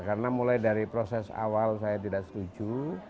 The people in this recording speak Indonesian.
karena mulai dari proses awal saya tidak setuju